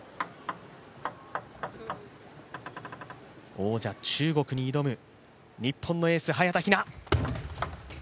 王者、中国に挑む日本のエース、早田ひな。